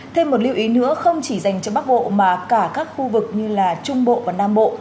thêm một lưu ý nữa không chỉ dành cho bắc bộ mà cả các khu vực như trung bộ và nam bộ